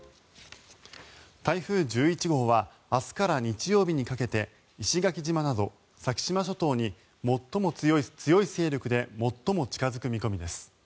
台風１１号は明日から日曜日にかけて石垣島など先島諸島に強い勢力で最も近付く見込みです。